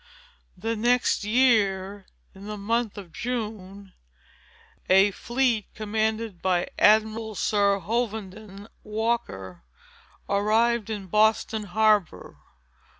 The next year, in the month of June, a fleet, commanded by Admiral Sir Hovenden Walker, arrived in Boston Harbor.